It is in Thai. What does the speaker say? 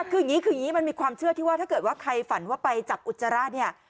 คืออย่างนี้คืออย่างนี้มันมีความเชื่อที่ว่าถ้าเกิดว่าใครฝันว่าไปจับอุจจาระเนี่ย